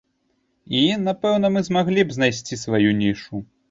І, напэўна, мы змаглі б знайсці сваю нішу.